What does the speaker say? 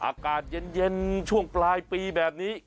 อากาศเย็นช่วงปลายปีแบบนี้